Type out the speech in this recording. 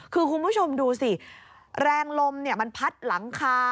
คือคุณผู้ชมดูสิแรงลมมันพัดหลังคา